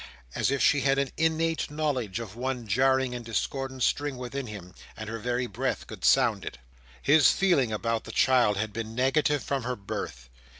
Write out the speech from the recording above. As if she had an innate knowledge of one jarring and discordant string within him, and her very breath could sound it. His feeling about the child had been negative from her birth.